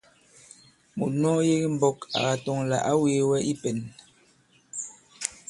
Mùt nu ɔ yek i mbɔ̄k à katɔŋ àlà ǎ wēe wɛ i pɛ̄n.